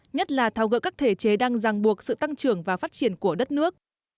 nhất là tháo gỡ các thể chế đang ràng buộc sự tăng trưởng và phát triển của đất nước